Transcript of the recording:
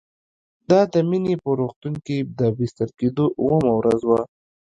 دا د مينې په روغتون کې د بستر کېدو اوومه ورځ وه